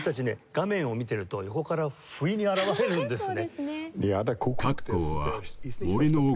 画面を見てると横から不意に現れるんですね。